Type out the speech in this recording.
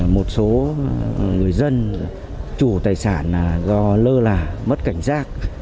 một số người dân chủ tài sản do lơ là mất cảnh giác